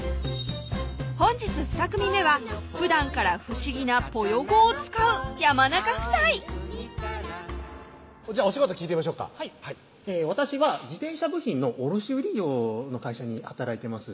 本日ふた組目はふだんから不思議なぽよ語を使う山中夫妻お仕事聞いてみましょっかはい私は自転車部品の卸売業の会社に働いてます